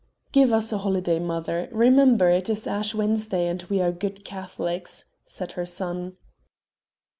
"Give us a holiday, mother; remember, it is Ash Wednesday, and we are good Catholics," said her son.